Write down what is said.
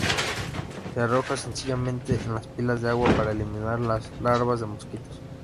Se arroja sencillamente en las pilas de agua para eliminar las larvas de mosquitos.